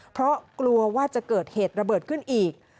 เพราะกลัวว่าจะเกิดเหตุระเบิดขึ้นอีก